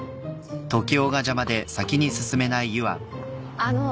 あの。